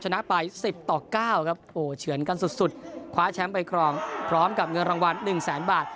ชนะปลายสิบต่อเก้าครับโอ้เฉือนกันสุดสุดคว้าแชมป์ไปครองพร้อมกับเงินรางวัลหนึ่งแสนบาท